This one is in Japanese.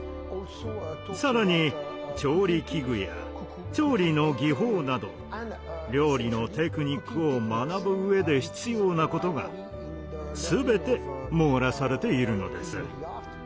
さらに調理器具や調理の技法など料理のテクニックを学ぶ上で必要なことがすべて網羅されているのです。